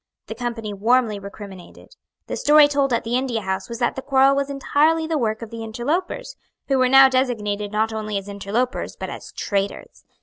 The Company warmly recriminated. The story told at the India House was that the quarrel was entirely the work of the interlopers, who were now designated not only as interlopers but as traitors.